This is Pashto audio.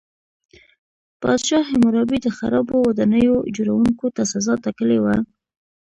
پادشاه هیمورابي د خرابو ودانیو جوړوونکو ته سزا ټاکلې وه.